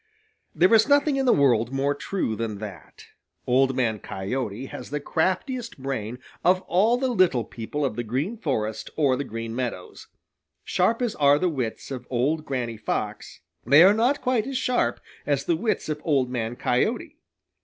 There is nothing in the world more true than that. Old Man Coyote has the craftiest brain of all the little people of the Green Forest or the Green Meadows. Sharp as are the wits of old Granny Fox, they are not quite as sharp as the wits of Old Man Coyote.